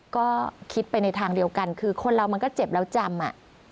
ก็คิดไปในทางเดียวกันคือคนเรามันก็เจ็บแล้วจำอ่ะ